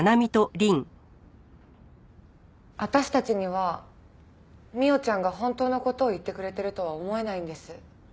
私たちには未央ちゃんが本当の事を言ってくれてるとは思えないんです。